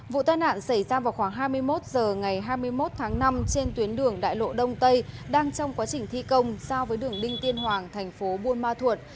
vụ tai nạn xảy ra vào khoảng hai mươi một h ngày hai mươi một tháng năm trên tuyến đường đại lộ đông tây đang trong quá trình thi công giao với đường đinh tiên hoàng thành phố buôn ma thuột